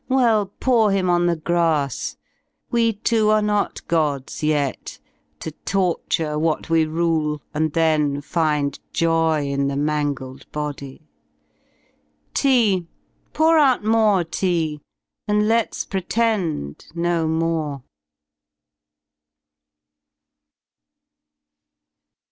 Well, pour him on the grass, we two Are not gods yet, to torture what we rule. And then find joy in the mangled bodv. Tea! Pour out more Tea, and let's pretend no more.